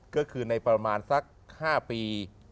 ก็คือในประมาณสัก๕ปี